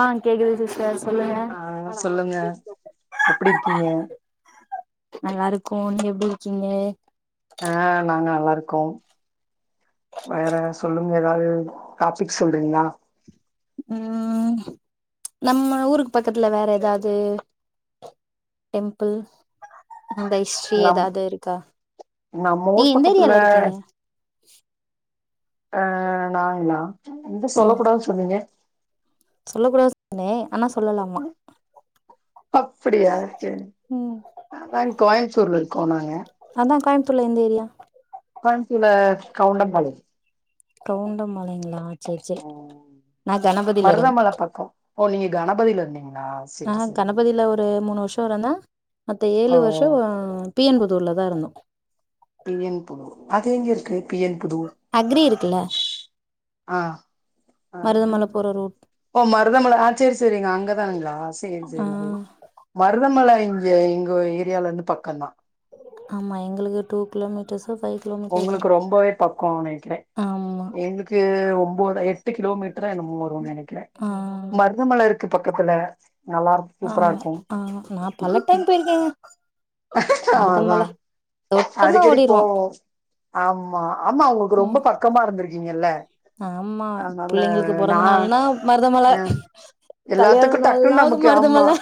ஆஹா கேக்து. [unintelligible] ஆஹ சொல்லுங்க அப்படி இருக்கீங்க. நல்லா இருக்கோ நீ எப்படி இருக்கீங்க. அஹ நாங்க நல்லா இருக்கோம். வேற சொல்லுங்க ஏதாவது டாபிக் சொல்றீங்களா. உம் ம்ச் நம்ம ஊருக்கு பக்கத்துல வேற எதாவது டெம்பிள். அந்த ஹிஸ்ட்ரி நம் ஏதாவது இருக்கா. நம்ம நீங்க ஊர் எந்த பக்கத்துல ஏரியால இருக்கீங்க. அஹ நாங்கல்லா. எந்த சொல்லகூடாது சொன்னீங்க. சொல்லகூடாது சொன்னியே. அப்படியா சேரி. ம் அதா கோயம்புத்தூர்ல இருக். கோனாங்க. அதா கோயமுத்தூர்ல எந்த ஏரியா. கோயம்பத்தூர்ல கவுண்டம்பாளையம். கவுண்டம்பாளைங்களா. அஹ இருந் மருதமல பக்கோ. ஓ நீங்க கணபதியில இருந்தே. ஆஹா கணபதியில ஒரு மூணு வருஷோ இருந்த. மத்த ஏழு வருஷோ. ஓ பி என் புதூர்ள்ளதா இருந்தோ. பி என் புதூர் அது எங்க இருக்கு. P N Pudur. அக்ரி இருக்குல்ல ஆ மருதமல அக்ரி போற ரூட் ஓ மருதமல சேரி சேரிங்க அங்கதா. அதாங்களா. சேரி சேரி ஆ சேரி மருதமலை. இங்க எங்க ஏரியால இருந்து பக்கம்தா. ஆமா எங்களுக்கு டூ கிலோமீட்டர்ஸ். உங்களுக்கு ரொம்பவே பக்கோனு நெனைக்கிற. ஆமா எங்களுக்கு ஒம். போதா எட்டு கிலோமீட். டரா என்னமோ வரு நெனைக்கிற. ஆ மருதமலை இருக். க்கு பக்கத்துள்ள. ஆமா ஆஹ நா பல டைம் போயிருக்கேங்க. அதா மருதமல தொட்டன்னா அடிக்கடிக்கு ஓடிருவோ போவோ ஆமா ஆமா உங்களுக்கு ம் ரொம்ப பக்கமா இருந்திருக் கீங்கல்ல ஆமா பிள்ளைங்களுக்கு பொறந்த நாள்னா மருதமல அ கல்யாண எல்லாத்துக்கு நாள்னா டக்குன்னு நமக்கு ஆமா மருதமல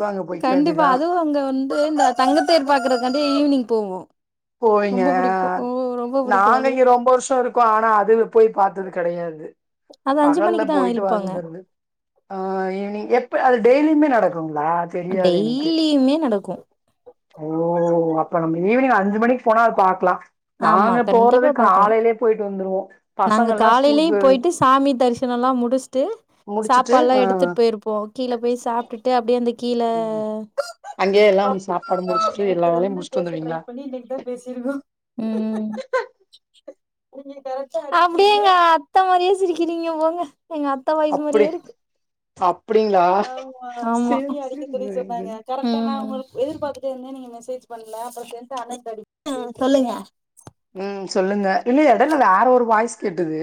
கோ அங்க போய் கண்டிப்பா அதுவு அங்க வந்து இந்த தங்கத்தேர் பாக்குறக்காண்டி ஈவினிங் போவோ போவீங்க ரொம்ப ஆ புடிக்கு ஓ ரொம்ப புடிக்கு நாங்க அது இங்க ரொம்ப வருஷோ இருக்கோ ஆனா அதுகள போய் பாத்தது கெடையாது அது அஞ்சு பகல்ல மணிக்கு தா போயிட்டு இழுப்பாங்க வந்துருது ஆ ஈவ்னிங் எப்ப அது டெய்லுமே நடக் டெய்லியுமே நடக்கு ஓ அப்ப நம்ம ஈவினிங் அஞ் சு மணிக்கு போனா அது பாக்கலா ஆமா நாங்க போறது கண்டிப்பா பாக்கலா காலையிலயே போயிட்டு வந்துருவோ நாங்க பசங்கள்லா காலையிலயு ஸ்கூலுக்கு போயிட்டு சாமி தரிசனோ எல்லாம் முடிச்சுட்டு முடிச்சுட்டு சாப்பாடு எல்லாம் ஆ எடுத்துட்டு போயிருப்போ கீழ போய் சாப்ட்டுட்டு அப்டியே அந்த கீழ ம் அங்கேயே எல்லா ஆ சாப்பாடு நாம முடிச்சுட்டு எல்லா நேத்துல வேலையு இருந்து முடிச்சுட்டு பேச ட்ரை வந்துருவீங்களா பண்ணி இன்னைக்கிதா பேசிருக்கோ உம் அப்படியேங்க அத்த மாரியா சிரிக்கிறீங்க போங்க எங்க அத்த வாய்ஸ் மாரியே இருக்கு சாப் ஆமா ம் சேரி எதிர்பாத்துட்டே இருந்தே நீங்க மெசேஜ் பண்ல அப்ற சேரின்ட்டு [unintelligible] உம் சொல்லுங்க என்ன எடை யில வேற ஒரு வாய்ஸ் கேட்டுது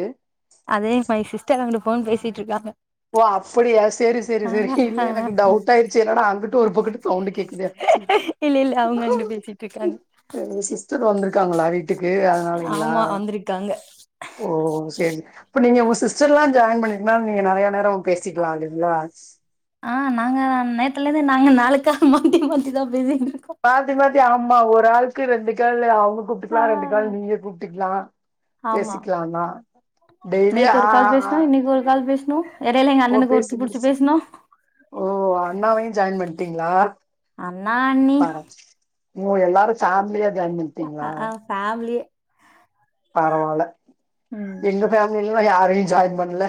அது மை சிஸ்டர் அங்குட்டு ஃபோன் பேசிட்ருக்காங்க ஓ அப்பிடியா செரி செரி செரி இல்ல ஆ எனக்கு டவுட் ஆயிருச்சு என்னடா அங்கிட்டு ஒரு பக்கத்து சவுண்டு கேக்குதே சொ இல்ல இல்ல அவங்க அங்குட்டு பேசிட்டு இருக்காங்க ஆ சிஸ்டர் வந்திருக்காங்களா வீட் டுக்கு அதனாலயிங்களா ஆமா வந்திருக்காங்க ஓ சரி இப்ப நீங்க உங்க சிஸ்டர்லா ஜாய்ன் பண்ணிருக்கனால நீங்க நெறைய பேசிக்கலா இல்லைங்களா ஆஹ் நாங்க நேத்துலேந்து நாங்க நாலுக்கா மாத்தி மாத்திதா பேசிட்ருந்தோ க்காலு அவு ங்க கூப்டுக்கலா ஆ ரெண்டு கால் நீங்க கூப்டுக்கலா ஆமா டெய்லி ஆ நேத்து ஒரு ஆ கால் ஆ. பேசினோ இன்னக்கி ஒரு கால் பேசி னோ ஓ பேசி முடிச் ஓ அண்ணாவையு ஜாயின் பண்ட்டீங்களா அண்ணா அண்ணி பரவா ஓ எல்லாரு ஃபேமிலியா ஜாயின் அ அ பண்ட்டீங்களா ஆ ஃபேமிலியே பரவால்ல ம் எங்க ஃபேமிலிலல்லா யாரு ஜாயின் பன்ல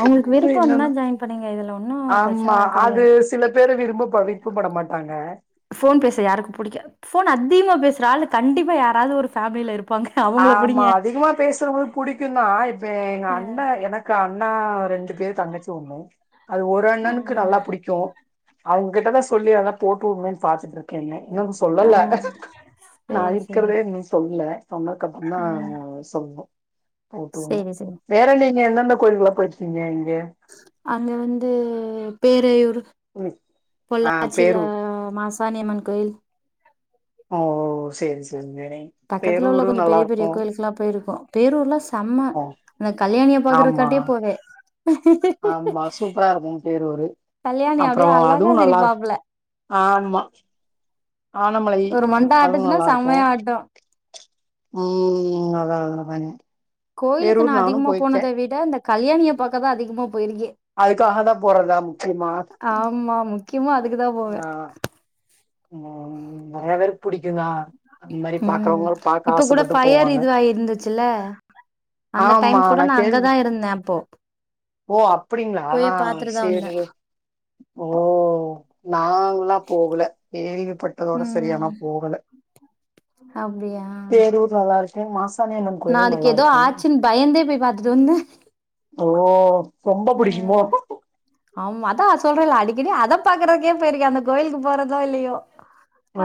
அவங்களுக்கு விருப்பம் னா ஜாயின் பண்ணீங்க இதுல ஒன்னும் ஆமா பிரச்சனல அது கிடையாது சில பேரு விரும்ப விருப்பப்பட மாட்டாங்க போன் பேச யாருக்கு புடிக்காது போன் அதிகமா பேசுற ஆளுக்கு கண்டிப்பா யாராவது ஒரு பேமில இருப் ஆமா அதிகமா பேசுறது புடிக்கும் தான் இப்ப எங்க அ அண்ணன் எனக்கு அண்ணா ரெண்டு பேர் தங்கச்சி ஒண்ணு அது ஒரு அ அண்ணனுக்கு நல்லா புடிக்கும் அவங்ககிட்டதான் சொல்லி அதான் போட்டுவிடுன்னு பாத்துட்டுருக்கேன்ன இன்னும் ஆ சொல்லல நான் சேரி சேரி இருக்கிறதே இனும் சொல்ல சொன்னக்கு அப்பறம் ம் சொல்லுவோம் போட்டு உடனும் சேரி சேரி வேறன்னி நீ எந்தெந்த கோயில்கள போயிருங்கிங்க அங்க வந்து பேரையூர் ஆ பொள்ளாச்சில பேரூர் மாசாணி அம்மன் கோயில் ஓ சேரி சேரி பக்கத்துல உள்ள கொஞ்ச பெரிய பெரிய கோயிலுக்கெல்லாம் போயிருக்கோம் பேரூல்லாம் செம்ம ஓ அந்த கல்யாணிய ஆமா பாக்குறக்காட்டியே போவே ஆமா சூப்பரா இருக்கும் பேரூரு கல்யாணி அப்டியே அப்பறம் அழகா அதுவும் நல்லா இரு சிரிப்பாப்புல ஆமா ஆனமலை ஒரு மண்ட அதுவும் ஆட்டுச்சுன்னா நல்லா செம்மையா இருக்கும் ஆட்டு உம் நல்ல அழகா கோயிலுக்கு நான் அதிகமா போனத விட இந்த கல்யாணிய பாக்கதான் அதிகமா போயிருக்கே அதுக்காக தான் போறதா முக்கியமா முக்கியாமா அதுக்குதான் போவேன் உம் நிறைய பேர் உம் பாக்க இப்ப கூட ஆசப்பட்டு பஃயர் போவாங்க இதுவா இருந்துச்சுல்ல அந்த ஆமா டைம் கூட நான் கேள்வி அங்கதான் இருந்தேன் அப்போ ஓ அப்டிங்களா போய் பாத்துட்டுதான் சேரி வந்தேன் ஓ நா ல்லாம் போகல கேள்வி ப்பட்டதோட சரியானா ம் போகல பேரூர் நல்லா இருக்கே மாச நான் அதுக்கு ஏதோ ஆச்சுனு பய்யந்தே போய் பாத்தட்டு வந்தன் ஓ ரொம்ப புடிக்குமோ உம் ஆமா அதான் சொல்றேலா அடி இதே அத பாக்கறதுக்கே போயிருக்கன் அந்த கோயிலுக்கு போறதோ இல்லயோ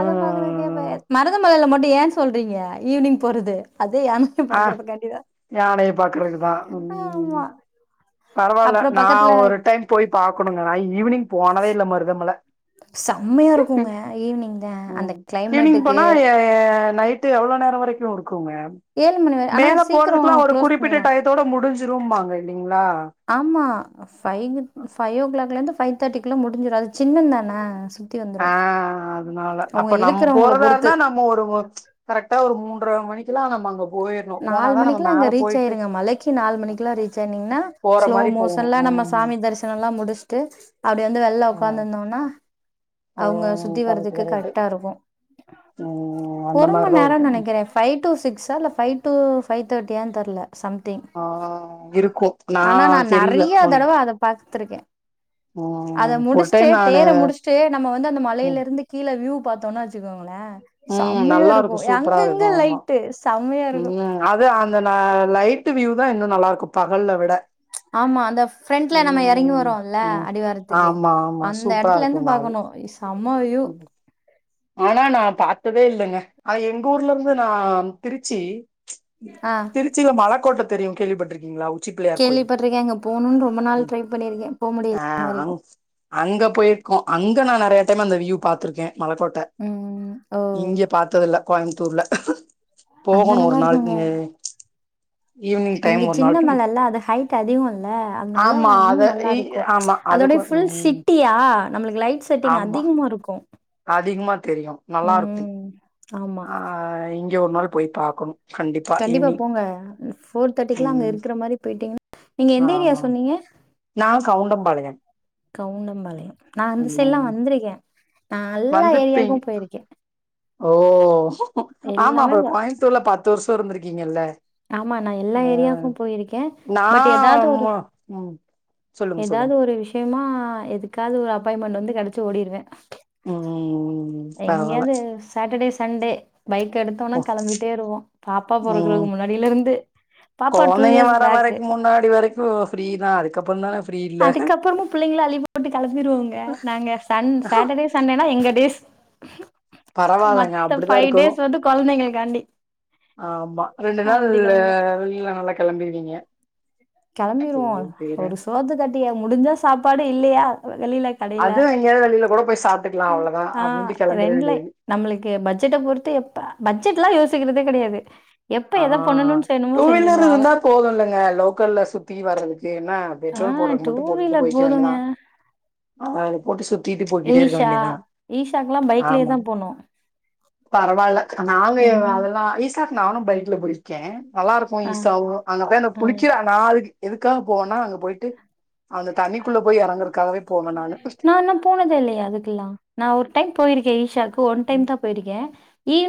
அத பாக்குறதே போய் மருத மலைல மட்டு ட ஏன் சொல்றீங்க ஈவினிங் போறது அதே யானைய ஆ பாக்குறது கண்டிதான் யானைய பாக்குறதுக்குதா ஆம்மா பரவாயில்ல நான் ஒரு டைம் போய் பாக்கணுங்க நான் ஈவினிங் போனதேல்ல மருதமல செம்மையா இருக்குங்க ஈவினிங் தா அந்த ஈவினிங் கிளைமேட்டுக்கு போனா யா ய நைட்டு எவ்ளோ நேரம் வரைக் க்கு இருக்குங்க ஏழு மணி வர ஆனா மேல சீக்கிரோ போறதுக்குல்லாம் ஒரு க்ளோஸ் குறிப்பிட்ட பண்ணிருவாங்க டயத்தோட முடிஞ்சு ரூம் மாங்கேண்டி ஆமா பைவ்க் பைவ் ஓ கிளாக்லயிந்து பைவ் தேர்டிக்குள்ளா முடிஞ்சிடோன் அது சின்னன் தானா ஆ அதனால அப்ப நம்ப இழுக்கறவங்கள போறதா பொறுத்து இருந்தா நம்ம ஒரு ஒரு கரெக்டா ஒரு மூணு ர மணிக்கேல்லாம் அங்க மாங்க நாலு மணிக்கக்குல்லா அங்க ரீச் ஆயிருங்க மலைக்கு நாலுணிக்கேல்லா ரீச் ஆயினிங்கன்னா போற ஸ்லோ மாரி போகணு மோஷன்ல நம்ம ம் சாமி தரிசன எல்லா முடிச் ட்டு அப்டி வந்து வெள்ள அதா உகாந்துருந்தோனா ஓ அவங்க சுத்தி கரெக்ட் வரதுகு கரெக்ட் கரெடா இருக்கு ம் அந்த ஒரு மணி மாரிதா நேர டைம் நினைக்கிறே பைவ் டு சிக்ஸ் டார்ல பைப் டூ பைவ் தேர்ட்டியனு தெர்லா சம்திங் ஆ இருக்கு நா ஆனா நான் தெரில நெறைய ஒன் தடவ அத பாத்துருக்கே அத ம் ஒரு முடிசுட்டு டைம் நானு தேர முடிசுட்டு நம்ம வந்து அந்த ம் மலையில இருந்து கீழ வியூ பாத்தோனு வச்சுக்கோங்கள ம் சமையா நல்லா இருக்கு இருக்கும் சூப்பரா இருக்கு அங்கங்க ஆமா லைட்டு சம் செம்மயா இருக்கும் ம் அது அந்த ந லைட் வியூ தா இன்னு நல்லா இருக்கு பகல்ல விட ஆமா அந்த பிரண்ட்ல நம்ம இறங்கி ம் வரோம்ல்ல ம் அடிவாரத்துக்கு ஆமா ஆமா அந்த சூப்பரா இடத்துல இருந்து இருக்குங்க அது பாக்கணு ச ம வியூவ் ம் ஆனா நா பாத்ததே இல்லங்க எங்க ஊர்ல இருந்து நா திருச்சி ஆ திருச்சில மலக்கோட்ட தெரியு கேள்விப்பட்டிருகீங்குளாவ் உச்சி பிள்ளையார் கோயில் கேள்விப்பட்டிருக்கேன். அங்க போணும்னு ரொம்ப நாள் ட்ரை பண்ணியிருக்கேன். போ முடியல இன்ன ஆஹ் அங் வரைக்கும். அங்க போயிருக்கோ அங்க நா நெறியா த்தன அந்த வியூ பாத்துருக மலக்கோட் ம். ஓ! இங்கே பாத்தது இல்ல கோயிம் தூர்ல அங்க போகணு ஒரு நல்லா இருக்குங்க. நாள்க்குனே இங்க சின்ன மல இல்ல அது ஹைட் அதிகுல்ல அதனால ஆமா இன்னு அத நல்லா இ இருக்கு ஆமா அது அதோட கொ ஃபுல் ம் சிட்டியா நம்ளுக்கு லைட் செட்டிங் ஆமா அதிகமா இருக்கு அதிகமா தெரியு நல்லா இருக்கு ஆமா. ஆஹ் இங்க ஒரு நாள் போய் பாக்குணு கண்டிப்பா போங்க ஃபோர் தேர்ட்டிக்குல்லா அங்க ம் இருக்கிற மாரி போயிட்டீங்கன நீங்க எந்த ஏரியா ஆமா சொன்னிங்க நா கவுண்டம்பாளையம் கவுனம்பாளைய நா அந்த சைடு எல்லா வந்திருகே வந்துர்பிங் ஓ ஆமா எல்லாமே அப் வ- கோயுத்தூர்ல பத்துருச் துறந்து இருந்திருக்கீங்கல்ல ஆமா நா எல்லா அ ஏரியாவுக்கும் போயிருக்கே நா பட் எதாவுது ஒரு மு ம் சொல்லுங்க ஏதாவது சொல்லுங்க ஒரு விஷ்யமா எதுக்காது ஒரு அப்பாய்மெண்டு வந்து கிடைச் ச்சி ஓடிருவே உம் ம் பரவால்ல எங்கியாவது சாட்டடேஸ் சண்டே பைக் எடுத்தோம்னா ஓ கிளம்பிட்டே இருவோம். பாப்பா உம் பொறக்கறதுக்கு முன்னாடியில இருந்து பாப்பா கொழ்ந்திங்க இயர்ஸ் வர பேக். வரைக்கும் முன்னாடி வரைக்கும் ஃப்ரீதா அதுக்கப்புறம் தானே அதுக்கப்புறமும் பிள்ளைங்கள லீவ் போட்டு கிம்பிருவோங்க நாங்க சண் சாட்டடே சண்டேனா எங்க பேஷ் பரவால்லாங்க அப்பிடிதா இருக்குணு குழந்தைங்களுக்காண்டி. ஆம்மா ரெண்டு நாள்ளே அப்படி கிளம்பிருவோம். வெயிள நல்லா கிளம்பிருவீங்க கிளம்பிருவோ ஒரு சோத்து கட்டியா முடிஞ்சா சாப்பாடு இல்லீயா வெளியில கடையில அதுவு எங்கயாவது வெளில கூட போய் சாப்ட்டுக்கலா ம் அவ்ளோதா ஆஹ் அப்டின்ட்டு கெளம்பிட ரெண்டுல வேண்டியது நம்முளுக்கு பட்ஜெட்ட பொறுத்து எப்ப பட்ஜெட் எல்லா யோசி த்திக்குறதே கிடையாது ஆஹ் டூ வீலர் இருந்தா போது இல்லங்க லோக்கல்ல ஸ் சுத்தி வரதுக் ஏய்னா ஆ பெட்ரோல் போடுறதுக்கு மட்டும் போட்டுட்டு வீலர் போயிக்க போதுங்க. வேண்டியதுதா ஹா போட்டு சுத் ஈஷா ஈஷாக்குல்லா பைக்லியே ஆமா தா போனோ பரவால்ல நானு அதெல்லா இஸ்க் [unintelligible] நானும் பைக்ல போயிருக்கே நல்லா இருக்கு ஆ, ஈஷாவு அங்க போய் அந்த ஆ. குளிக்கிற [unintelligible] எதுக்காக போவன்னா அங்க போயிட்டு அந்த தண்ணிக்குள்ள போய் எறங்கறக்காகவே போவேன் நானு. நா இன்னு போனதே இல்லையே அதுக்கெல்லா நா ஒரு டைம் போயிருக்கே ஈஷாக்கு ஒன் ம். டைம்தா போயிருக்கே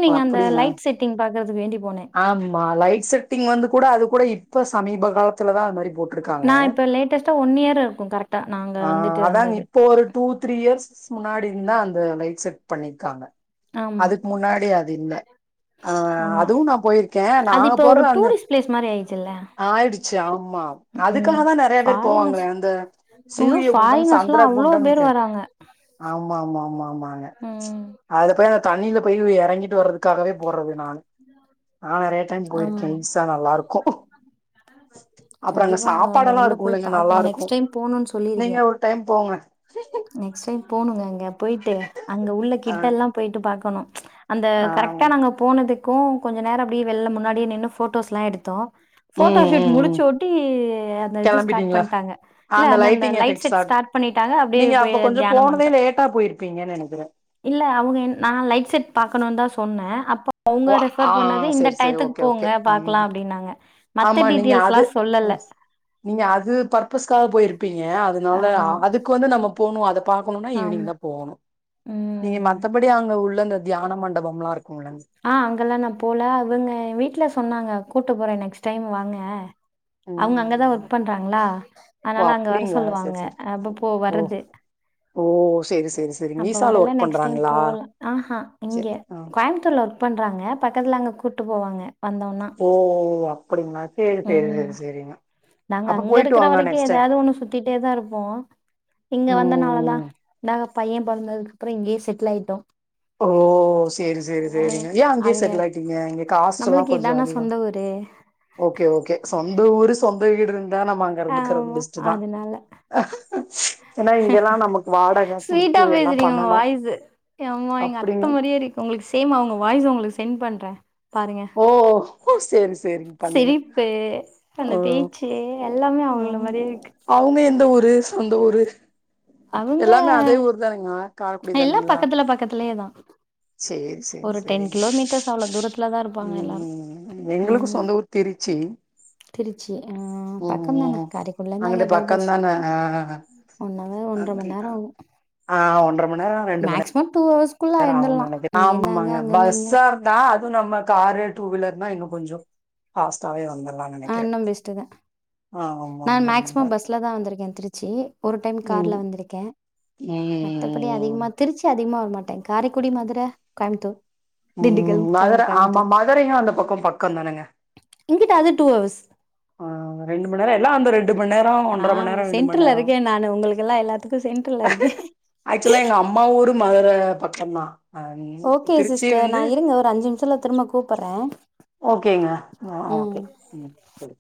ஓ அப்டிங்களா போனேன். ஆமா லைட் செட்டிங் வந்து கூட அது கூட இப் போ சமீப காலத்திலதா அது மாரி போட்ருக்காங்க நான் இப்ப லேட்டஸ்ட்டா இயர் இருக்கும் கரெக்ட்டா நாங்க ஆஹ் வந்துட்டு வந்தது. அதாங்க இப்போ ஒரு டூ த்ரீ இயர்ஸ்க்கு முன்னாடி இருந்துதா அந்த லைட் செட் பண்ணிருக்காங்க ஆமா அதுக்கு முன்னா டி இல்ல ஆஹ் ஆமா அதுவு நா போயிருக்கே அது நாங்க இப்ப ஒரு போறது அந்த டூரிஸ்ட் பிளேஸ் மாரி ஆயிடுச்சுல்ல ஆயிடுச்சு ஆமா ம் அதுக்காகதா நெறைய பேர் ஃபாரினர்ஸ் போவாங்களே அந்த ஐயோ சூரிய குண்டம் ஃபாரினர்ஸ்லா சந்திர அவ்ளோ பேர் குண்டம்ன்ட்டு வராங்க ஆமா ஆமா ஆமா ஆமாங்க ம் அதுல போய் அந்த தண்ணில போய் எறங் கிட்டு வர்றதுக்காகவே போறது நானு நா நெறைய டைம் ஆமா போயிருக்கே ஈஷா நல்லா இருக்கு அப்றோ அங்க கண்டிப்பாங்க அத சாப்பாடெல்லா உள்ள போய் இருக்குல்லங்க நல்லா பாக்கணு இருக்கு நெக்ஸ்ட் டைம் போணுன்னு நீங்க சொல்லிருக்கே ஒரு டைம் போங்க நெக்ஸ்ட் டைம் போணுங்க அங் க போயிட்டு அங்க உள்ள ஆ கிட்ட எல்லா போயிட்டு பாக்கணு அந்த ஆ கரெக்ட்டா நாங்க போனதுக் கு கொஞ்ச நேரோ அப்டி வெள்ல முன்னாடியே நின்னு ஃபோட்டோஸ்லா எடுத்தோ ஃபோட்டோ ம் ஷூட் ம் ம் முடிச்சோட்டி அ அந்த இது ஸ்டார்ட் கெளம்பிட்டீங்களா பண்ட்டாங்க இல்ல அந்த அந்த லைட்டிங் லைட் எஃபெக்ட்ஸ் ஆ செட் ஸ்டார்ட் பண்ணிட்டாங்க அப்டியே நீங்க அ அப்ப கொஞ்சோ தியானோ போனதே பண்ட்டோ லேட்டா போயிருப்பீங்கன்னு நெனைக்கிறே இல்ல அவுங்க நா லைட் செட் பாக்கணுன்தா சொன்னே அப்ப அவுங்க ஆ ரெஃபர் பண்ணது இந்த செரி செரி டயத்துக்கு ஓகே போங்க ஓகே பாக்கலா ம் அப்டினாங்க ஆமா நீங்க அது ம் நீங்க அது பர்பஸ்க்காக போயிரு ப்பீங்க அதனால ஆமா, அதுக்கு வந்து நம்ம போணு அத பாக்கணுன்னா ஆமா. ஈவ்னிங்தா போகணு நீங்க ம். மத்தபடி அங் க உள்ள இந்த தியான மண்டபம்லா இருக் ஆ அங்கெல்லா நா போல அவுங்க வீட்ல சொன்னாங்க கூ ட்டு போறே நெக்ஸ்ட் டைம் வாங்க அவுங்க அங்கதான் ம் ஒர்க் பண்றாங்களா ஓ அதனால அங்க வர அப்டிங்களா சொல்லுவாங்க சேரி சேரி அப்போ ஓ வர்றது ஓ சேரி சே அப்ப வரல நெக்ஸ்ட் டைம் போலாம் ஆஹஹா இங்க சேரி ஆ கோயம்புத்தூர்ல ஒர்க் பண்றாங்க பக்கத்துல அங்க கூ ட்டு போவாங்க ஓ ஓ அப் உம் நாங்க அப்ப அங்க போயிட்டு இருக்கிற வாங்க வரைக்கும் நெக்ஸ்ட் டைம் ஏதாவது ஒண்ணு சுத்திட்டே தான் இருப்போம் இங்க வந்த நாலதா ம் இதா பையன் பொறந்ததுக்குப்புறம் இங்கேயே செட்டில் ஆயிட்டோம் ஓ சேரி சேரி சேரிங்க ஏன் அங்கயே அதுங்க செட்லாயிட்டிங்க இங்க காஸ்ட் எல்லாம் நம்மளுக்கு கொஞ்சம் இதான அதிகம் சொந்த ஊரு ஓகே ஓகே சொந்த ஊரு சொந் சொந்த வீடு இரு ஆமா அதுனால ஏன்னா இங்கெல்லா நமக்கு வாடக ஸ்வீட்டா குடுத்து எல்லா பேசுறீங்க உங்க பண்ணனு வாய்ஸ் ஆமா எங்க அத்த அப்டின்னு மாரியே இருக்கு உங்களுக்கு சேம் அவுங்க வாய்ஸ் உங்களுக்கு சென்ட் பண்றேன் ஓ சேரி சேரிங்க பண்ணுங்க சிரிப்பு அந்த ஓ பேச்சு எல்லாமே அவங்கள ஓவ் மாரியே இருக்கு அவுங்க எந்த ஊரு சொந்த ஊரு அங்க எல்லாமே அதே ஊர் தானுங்களா காரக்குடி எல்லா தானுங்களா பக்கத்துல பக்கத்துளேயேதா சேரி ஒரு டென் கிலோமீட்டர்ஸ் அவ்ளோ தூரத்துல தா இருப் உம் உம் எங்களுக்கு சொந்த ஊர் திருச்சி திருச்சி அஹ் ம் பக்கந்தான ம் காரைகுடிளேர்ந்து அங்க அங்கிட்டு பைபஸ் ஒன் ஹவர் ஒன்ற மண் அக்கி நேரோ ஆகு ஆஹ் ஒன்றமண்நேர ரெண்டுமண் நேர மேக்சிமம் டூ ஹவர்ஸ்குள்ள கொஞ்ச நேர எழுந்துர்லா அகுன்னு நினைக்கிறே இங்கேருந்து அங்க ஆமாங்க அங்கேருந்து இங்க பஸ்சா இருந்தா நம்ம காரு டூவீலர்னா இன்னோ கொஞ்ச பாஸ்ட்டாவே வந்தர்லா ஆஹ் இன்னோபெஸ்டுதா நான் ஆமாமாமா மேக்சிமம் பஸ்லதா வந்திருக்கே திருச்சி ஒரு டைம் ம் கார்ல வந்திருக்கே மத்தபடி ம் அதிகமா திருச்சி அதிகமா மாட்டே காரைக்குடி மதுர கோயபுத்தூர் உம் மதுர ஆமா மதுரையு அந்த பக்க பக்கந்தானுங்க இங்கிட்டு அது டூ ஹவர்ஸ் ஆ ரெண்டு மண் நேரோ எல்லா அந்த ரெண்டு மண் நேரோ ஒன்றரை மண் ஆஹ் நேரோ ரெண்டு மண் சென்ட்ரல்ல நேரோ இருக்கே நானு உங்களுக்கெல்லா எல்லாத்துக்கு சென்ட்ரல்ல இருக்கே ஆக்சுவலா எங்க அம்மா ஊரு மதுர பக்கந்தா அ ஓகே திருச்சி சிஸ்டர் நா வந்து இருங்க ஒரு அஞ்சு நிமிஷத்தல திரும்ப கூப்புற்றே ஓகேங்க ஆ ஓகே ம் சேரி